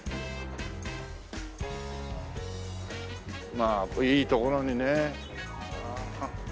まあいい所にねえ。